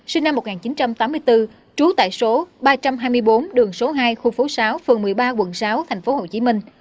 sinh năm một nghìn chín trăm tám mươi bốn trú tại số ba trăm hai mươi bốn đường số hai khu phố sáu phường một mươi ba quận sáu tp hcm